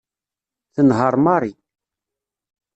Tenheṛ Mary.